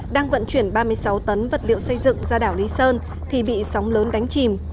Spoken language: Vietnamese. đang vận chuyển ba mươi sáu tấn vật liệu xây dựng ra đảo lý sơn thì bị sóng lớn đánh chìm